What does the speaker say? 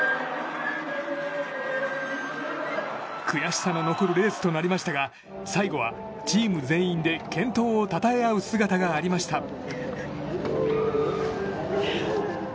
悔しさの残るレースとなりましたが最後はチーム全員で健闘をたたえ合う姿もありました。